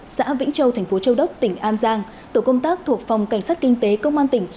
xã vĩnh châu thành phố châu đốc tỉnh an giang tổ công tác thuộc phòng cảnh sát kinh tế công an tỉnh